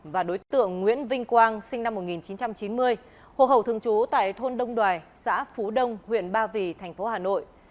và đối tượng nguyễn vinh quang sinh năm một nghìn chín trăm chín mươi hồ hậu thường trú tại thôn đông đoài xã phú đông huyện ba vì thành phố hà nội